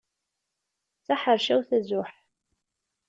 D taḥercawt azuḥ.